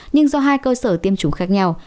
nhưng do hai cơ sở tiêm chủng khác nhau